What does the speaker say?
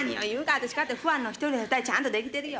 私かってファンの１人や２人ちゃんとできてるよ。